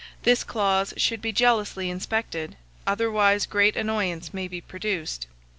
This clause should be jealously inspected, otherwise great annoyance may be produced.